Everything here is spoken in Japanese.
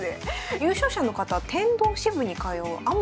優勝者の方天童支部に通うアマ